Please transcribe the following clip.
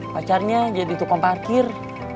pacarnya jadi tukang parkir